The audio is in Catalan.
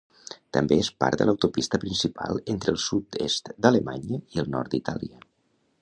També és part de l'autopista principal entre el sud-est d'Alemanya i el nord d'Itàlia.